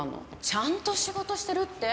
ちゃんと仕事してるって？